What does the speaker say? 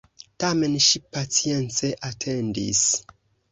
Tamen ŝi pacience atendis.